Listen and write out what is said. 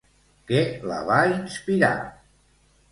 Què la va inspirar?